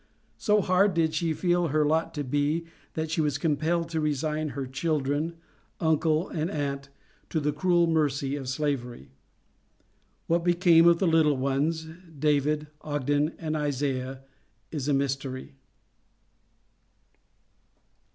So hard did she feel her lot to be, that she was compelled to resign her children, uncle and aunt to the cruel mercy of slavery. What became of the little ones, David, Ogden and Isaiah, is a mystery.